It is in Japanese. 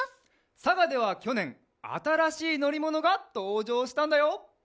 さがではきょねんあたらしいのりものがとうじょうしたんだよ！